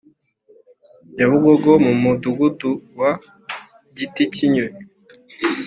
Nyabugogo mu Umudugudu wa Giticyinyoni